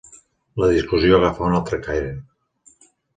La discussió agafà un altre caire.